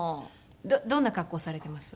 どんな格好されています？